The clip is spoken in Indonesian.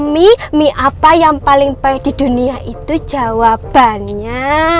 mie mie apa yang paling baik di dunia itu jawabannya